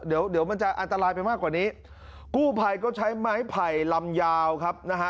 เดี๋ยวเดี๋ยวมันจะอันตรายไปมากกว่านี้กู้ภัยก็ใช้ไม้ไผ่ลำยาวครับนะฮะ